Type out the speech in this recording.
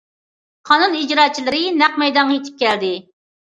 قانۇن ئىجراچىلىرى نەق مەيدانغا يېتىپ كەلدى.